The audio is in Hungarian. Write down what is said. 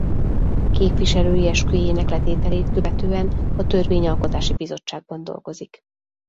Képviselői esküjének letételét követően a Törvényalkotási Bizottságban dolgozik.